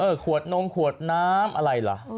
เออขวดนมขวดน้ำอะไรเหรอ